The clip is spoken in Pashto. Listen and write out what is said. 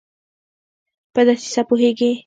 په دسیسه پوهیږي